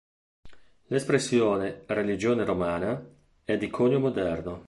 L'espressione "religione romana" è di conio moderno.